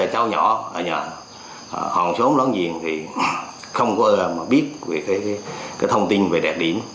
cháu nhỏ ở nhà hòn sống lớn nhiên thì không có biết thông tin về đẹp điểm